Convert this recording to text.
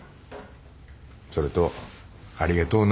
それとありがとうな。